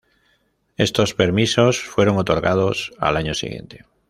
Estos permisos fueron otorgados al año siguiente.